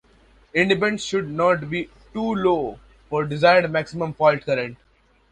Impedance should not be too low for desired maximum fault current.